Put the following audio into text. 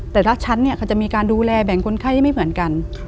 แต่ละชั้นเนี่ยเขาจะมีการดูแลแบ่งคนไข้ที่ไม่เหมือนกัน